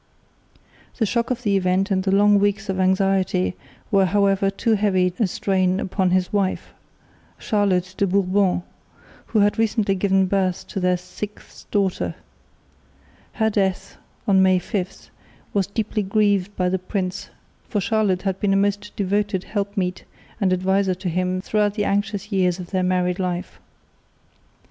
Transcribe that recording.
The shock of the event and the long weeks of anxiety were however too heavy a strain upon his wife, Charlotte de Bourbon, who had recently given birth to their sixth daughter. Her death, on May 5, was deeply grieved by the prince, for Charlotte had been a most devoted helpmeet and adviser to him throughout the anxious years of their married life.